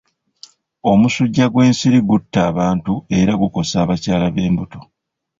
Omusujja gw'ensiri gutta abantu era gukosa abakyala b'embuto.